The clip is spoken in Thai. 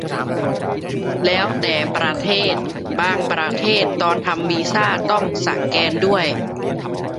แล้วแต่ประเทศ บางประเทศตอนทำวีซ่าต้องสแกนด้วย